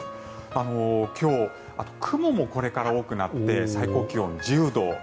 今日、雲もこれから多くなって最高気温、１０度。